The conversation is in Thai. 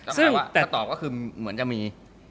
จะตอบก็คือเหมือนจะมี